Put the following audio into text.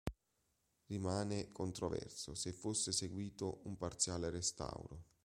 Rimane controverso se fosse seguito un parziale restauro.